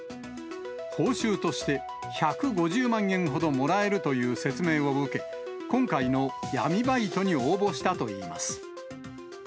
報酬として、１５０万円ほどもらえるという説明を受け、今回の闇バイトに応募したといいます。